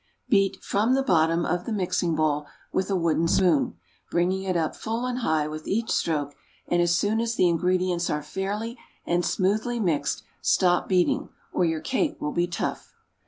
Beat from the bottom of the mixing bowl with a wooden spoon, bringing it up full and high with each stroke, and as soon as the ingredients are fairly and smoothly mixed, stop beating, or your cake will be tough.